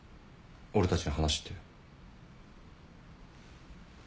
俺たちに話って。